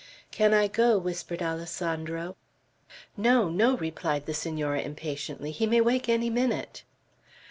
"Can I go?" whispered Alessandro. "No, no." replied the Senora, impatiently. "He may wake any minute."